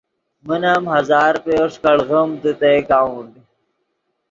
من ام ہزار روپیو ݰیکاڑیم دے تے اکاؤنٹ۔